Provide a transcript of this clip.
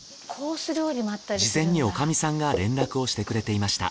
事前におかみさんが連絡をしてくれていました。